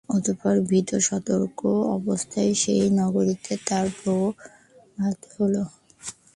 অতঃপর ভীত সতর্ক অবস্থায় সেই নগরীতে তার প্রভাত হল।